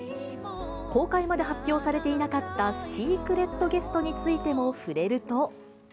公開まで発表されていなかったシークレットゲストについても触れると。